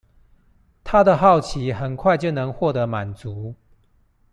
他的好奇很快就能獲得滿足